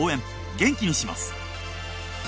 元気にします。